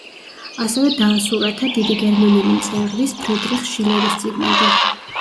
ასევე დაასურათა დიდი გერმანელი მწერლის ფრიდრიხ შილერის წიგნები.